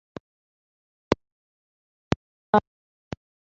kandi aribyo bishyushye cyane